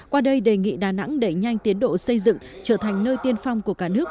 qua đây đề nghị đà nẵng đẩy nhanh tiến độ xây dựng trở thành nơi tiên phong của cả nước